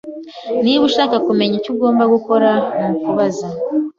Niba ushaka kumenya, icyo ugomba gukora nukubaza.